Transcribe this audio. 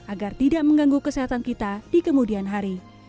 agar tidak mengganggu kesehatan kita di kemudian hari